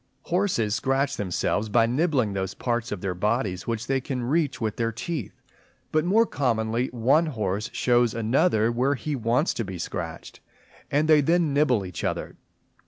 Horses scratch themselves by nibbling those parts of their bodies which they can reach with their teeth; but more commonly one horse shows another where he wants to be scratched, and they then nibble each other.